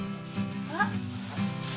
あっ！